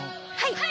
はい！